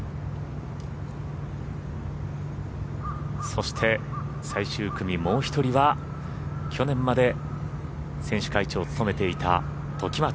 そして、最終組もう１人は去年まで選手会長を務めていた時松。